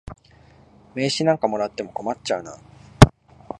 名刺なんかもらっても困っちゃうな。